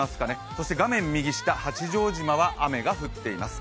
そして画面右下、八丈島は雨が降っています。